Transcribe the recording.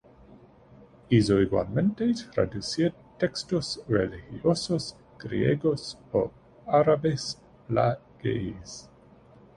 Hizo igualmente traducir textos religiosos griegos o árabes al ge'ez.